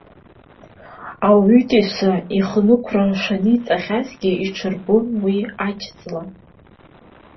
Ауаҩытәыҩса ихнықәра шыннаҵхьазгьы, иҽырбон уи аџьҵла.